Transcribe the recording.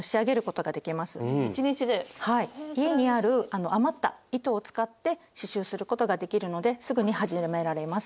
家にある余った糸を使って刺しゅうすることができるのですぐに始められます。